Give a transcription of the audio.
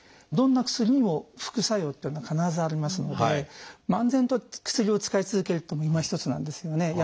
どんな薬にも副作用っていうのは必ずありますので漫然と薬を使い続けるというのもいまひとつなんですよね。